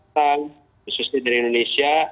khususnya dari indonesia